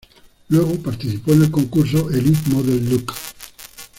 Luego participó en el concurso Elite Model Look.